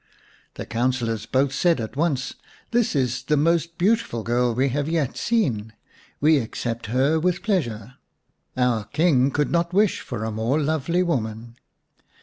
The councillors both said at once :" This is the most beautiful girl we have yet seen. We accept her with pleasure ; our King could not wish for a more lovely woman."